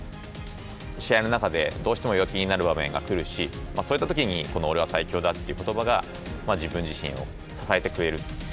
試合の中でどうしても弱気になる場面が来るし、そういったときに、オレは最強だということばが自分自身を支えてくれる。